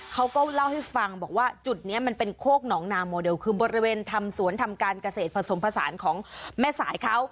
เขาก็เล่าให้ฟังบอกว่าจุดนี้มันเป็นโคกหนองนาโมเดลคือบริเวณทำสวนทำการเกษตรผสมผสานของแม่สายเขา